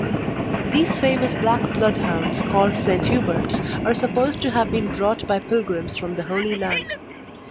These famous black Bloodhounds, called St. Huberts, are supposed to have been brought by pilgrims from the Holy Land.